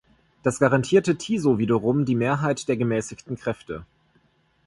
Das garantierte Tiso wiederum die Mehrheit der gemäßigten Kräfte.